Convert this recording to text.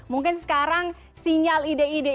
mungkin sekarang sinyal ide ide